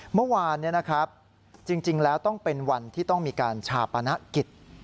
เมื่อวานจริงแล้วต้องเป็นวันที่ต้องมีการชาปนกิจ